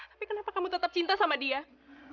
tapi kenapa kamu tetap cinta sama dia